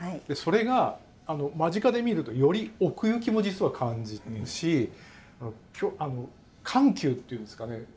それが間近で見るとより奥行きも実は感じるしあの緩急っていうんですかね。